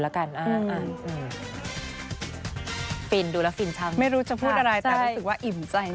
ละกันอ่ะฟินดูแล้วฟินจะไม่รู้จะพูดอะไรไอ้เจ้ารู้สึกว่าอิ่มใจ